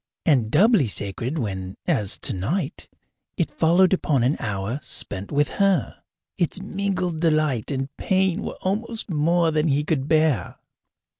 And doubly sacred when, as tonight, it followed upon an hour spent with her? Its mingled delight and pain were almost more than he could bear.